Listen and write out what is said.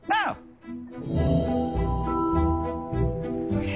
よし。